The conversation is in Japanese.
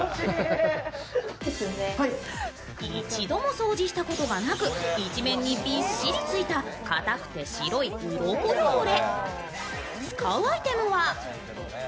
一度も掃除したことなく一面にびっちりついた固くて白いウロコ汚れ。